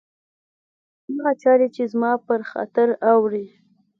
هغه چاري چي زما پر خاطر اوري